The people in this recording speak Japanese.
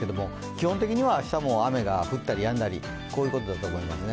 基本的には明日も雨が降ったりやんだりこういうことだと思いますね。